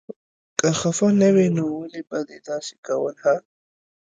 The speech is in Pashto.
که خفه نه وې نو ولې به دې داسې کول هه.